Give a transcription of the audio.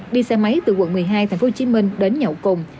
đi xe máy từ quận một mươi hai tp hcm đến nhậu cùng